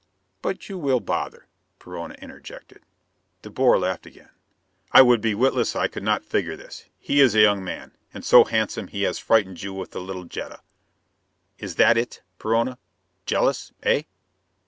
"But you will bother," Perona interjected. De Boer laughed again. "I would be witless could I not figure this! He is a young man, and so handsome he has frightened you with the little Jetta! Is that it, Perona? Jealous, eh?"